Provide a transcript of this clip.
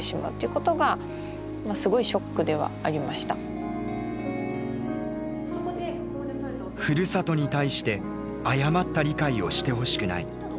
普通にこうふるさとに対して誤った理解をしてほしくない。